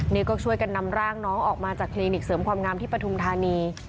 นี่ก็ช่วยกันนำร่างน้องออกมาจากคลินิกเสริมความงามที่ปฐุมธานี